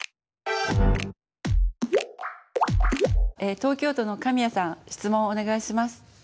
東京都のカミヤさん質問お願いします。